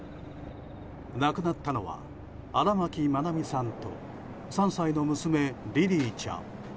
亡くなったのは荒牧愛実さんと３歳の娘リリィちゃん。